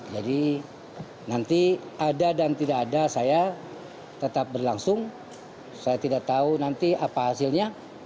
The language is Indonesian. jadi nanti ada dan tidak ada saya tetap berlangsung saya tidak tahu nanti apa hasilnya